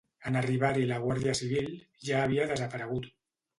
En arribar-hi la Guàrdia Civil, ja havia desaparegut.